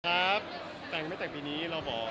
ครับแต่งไม่แต่งปีนี้เราบอก